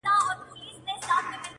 • یو په یو مي د مرګي غېږ ته لېږلي,